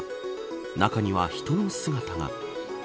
中には人の姿が。